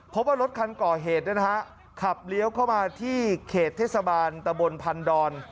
เพราะว่ารถคันก่อเหตุขับเลี้ยวเข้ามาที่เขตเทศบาลตะบนพันดอน